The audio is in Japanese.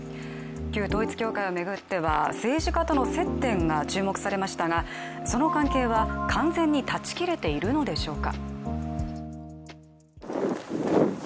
旧統一教会を巡っては政治家との接点が注目されましたがその関係は完全に断ち切れているのでしょうか